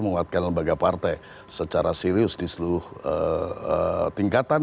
menguatkan lembaga partai secara serius di seluruh tingkatan